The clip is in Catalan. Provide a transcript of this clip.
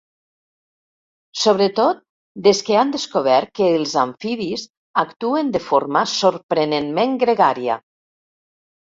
Sobretot des que han descobert que els amfibis actuen de forma sorprenentment gregària.